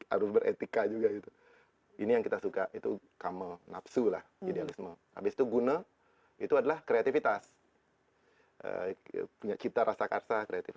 aduh beretika juga gitu ini yang kita suka itu kama nafsu lah idealisme habis itu guna itu adalah kreativitas punya cipta rasa karsa kreatif